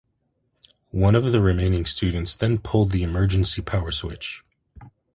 One of the remaining students then pulled the emergency power switch.